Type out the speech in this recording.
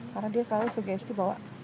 karena dia selalu sugesti bahwa